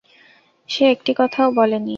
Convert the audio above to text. সে একটি কথাও বলে নি।